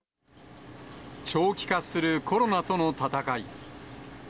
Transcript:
長期化するコロナとの闘い。